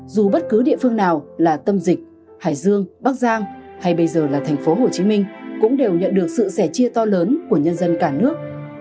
dù bất cứ địa phương nào là tâm dịch hải dương bắc giang hay bây giờ là tp hcm cũng đều nhận được sự sẻ chia to lớn của nhân dân cả nước